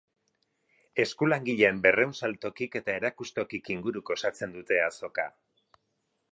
Eskulangileen berrehun saltokik eta erakustokik inguruk osatzen dute azoka.